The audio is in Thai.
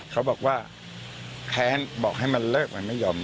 เขาบอกว่าแค้นบอกให้มันเลิกมันไม่ยอม